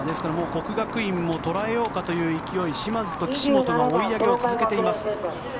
國學院も捉えようかという勢い嶋津と岸本が追い上げを続けています。